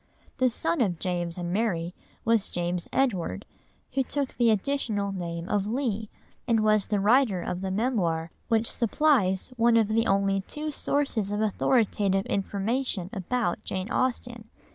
The son of James and Mary was James Edward, who took the additional name of Leigh, and was the writer of the Memoir which supplies one of the only two sources of authoritative information about Jane Austen.